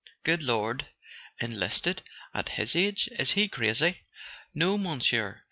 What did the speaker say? "Good Lord. Enlisted? At his age—is he crazy?" "No, Monsieur.